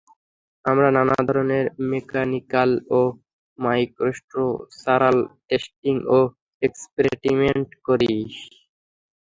আমরা নানা ধরণের মেক্যানিকাল ও মাইক্রোস্ট্রাকচারাল টেস্টিং ও এক্সপেরিমেন্ট করি।